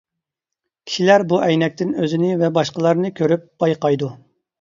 كىشىلەر بۇ ئەينەكتىن ئۆزىنى ۋە باشقىلارنى كۆرۈپ بايقايدۇ.